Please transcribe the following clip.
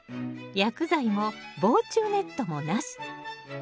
薬剤も防虫ネットもなし。